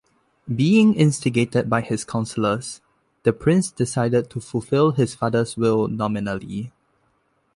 Being instigated by his councilors, the Prince decided to fulfill his father's will nominally.